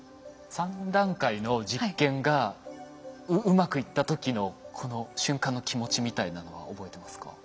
３段階の実験がうまくいった時のこの瞬間の気持ちみたいなのは覚えてますか？